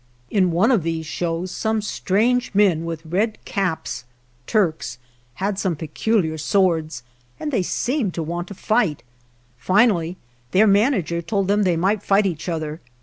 In one of the shows some strange men * with red caps had some peculiar swords, and they seemed to want to fight. Finally their manager told them they might fight each other.